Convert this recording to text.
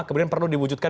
kemudian perlu diwujudkan